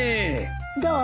どう？